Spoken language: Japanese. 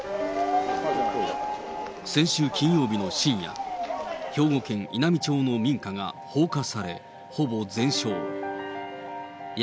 先週金曜日の深夜、兵庫県稲美町の民家が放火され、ほぼ全焼。